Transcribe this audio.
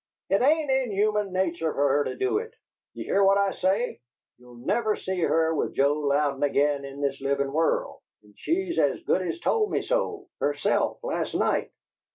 "It ain't in human nature fer her to do it! You hear what I say: you'll never see her with Joe Louden again in this livin' world, and she as good as told me so, herself, last night.